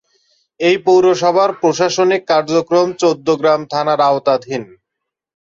এ পৌরসভার প্রশাসনিক কার্যক্রম চৌদ্দগ্রাম থানার আওতাধীন।